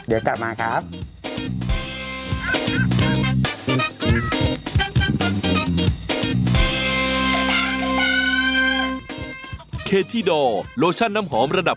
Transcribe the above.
เดี๋ยวกลับมาครับ